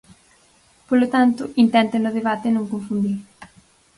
Polo tanto, intente no debate non confundir.